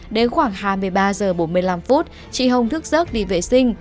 đến khoảng hai mươi ba h bốn mươi năm chị hồng thức giấc đi vệ sinh